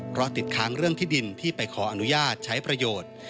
เพราะติดค้างเรื่องที่ดินที่ไปขออนุญาตใช้ประโยชน์